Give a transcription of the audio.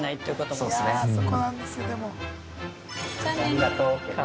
ありがとうって。